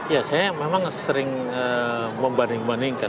ya saya memang sering membanding bandingkan